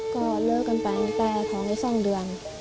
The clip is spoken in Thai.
ก็เลิกกันไปตั้งแต่ท้องได้๒เดือน